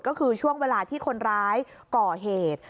ก็คือช่วงเวลาที่คนร้ายก่อเหตุ